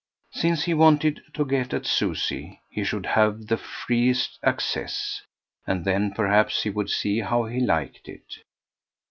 Since he wanted to get at Susie he should have the freest access, and then perhaps he would see how he liked it.